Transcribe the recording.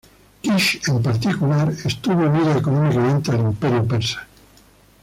Kish, en particular, estuvo unida económicamente al Imperio persa.